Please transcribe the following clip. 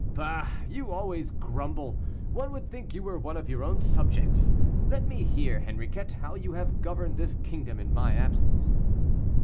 "Bah! you always grumble. One would think you were one of your own subjects. Let me hear, Henriquet, how you have governed this kingdom in my absence."